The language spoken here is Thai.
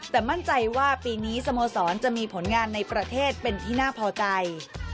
แต่มั่นใจว่าปีนี้สโมสรจะมีผลงานในประเทศเป็นที่น่าพอใจ